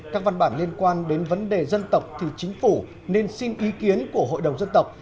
các văn bản liên quan đến vấn đề dân tộc thì chính phủ nên xin ý kiến của hội đồng dân tộc